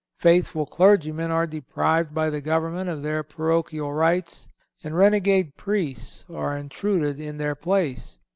Faithful clergymen are deprived by the government of their parochial rights and renegade Priests are intruded in their place.